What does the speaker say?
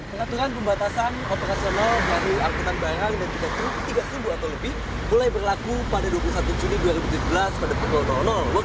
peraturan pembatasan operasional dari angkutan barang dan truk tiga sumbu atau lebih mulai berlaku pada dua puluh satu juni dua ribu tujuh belas pada pukul waktu di bnc barang